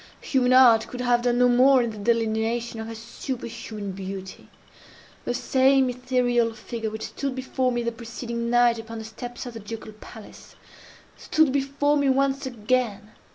Human art could have done no more in the delineation of her superhuman beauty. The same ethereal figure which stood before me the preceding night upon the steps of the Ducal Palace, stood before me once again.